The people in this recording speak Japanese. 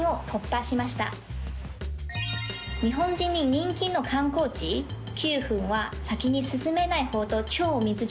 日本人に人気の観光地九は先に進めないほど超密状態。